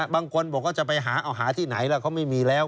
บางคนบอกว่าจะไปหาเอาหาที่ไหนล่ะเขาไม่มีแล้ว